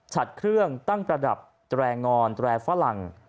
ฉัดเครื่องตั้งประดับแจรงรแฟรั่ง